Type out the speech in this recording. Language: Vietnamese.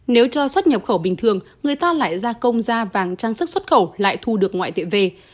nếu cho xuất nhập khẩu bình thường người ta lại gia công ra vàng trang sức xuất khẩu lại thu được ngoại tệ về